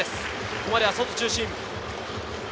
ここまで外中心。